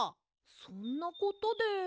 そんなことで？